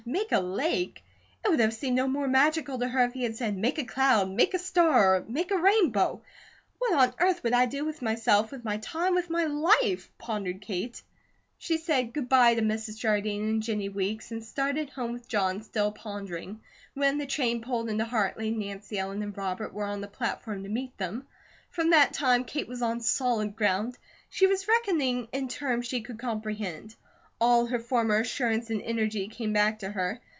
Make a lake? It would have seemed no more magical to her if he had said, "Make a cloud," "Make a star," or "Make a rainbow." "What on earth would I do with myself, with my time, with my life?" pondered Kate. She said "Good bye" to Mrs. Jardine and Jennie Weeks, and started home with John, still pondering. When the train pulled into Hartley, Nancy Ellen and Robert were on the platform to meet them. From that time, Kate was on solid ground. She was reckoning in terms she could comprehend. All her former assurance and energy came back to her.